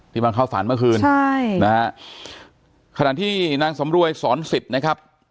มาเข้าฝันเมื่อคืนใช่นะฮะขณะที่นางสำรวยสอนสิทธิ์นะครับ